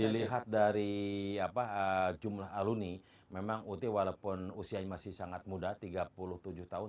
dilihat dari jumlah aluni memang ut walaupun usianya masih sangat muda tiga puluh tujuh tahun